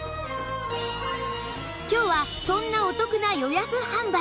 今日はそんなお得な予約販売